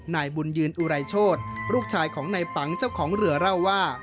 นายบุญยืนอุไรโชธลูกชายของนายปังเจ้าของเรือเล่าว่า